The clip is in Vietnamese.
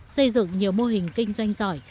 xây dựng nhiều mô hình kinh doanh giỏi